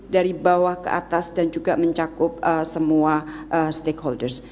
dari bawah ke atas dan juga mencakup semua stakeholders